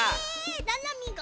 ななみが！？